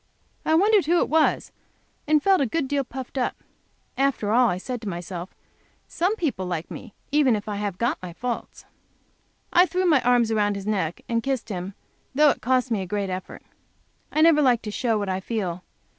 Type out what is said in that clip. I wondered who it was, and felt a good deal puffed up. "After all," I said to myself, "some people like me if I have got my faults." I threw my arms around his neck and kissed him, though that cost me a great effort. I never like to show what I feel.